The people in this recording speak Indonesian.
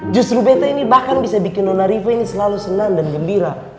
justru bete ini bahkan bisa bikin dona riva ini selalu senang dan gembira